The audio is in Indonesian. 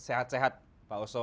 sehat sehat pak oso